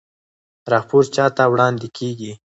راپور چا ته وړاندې کیږي؟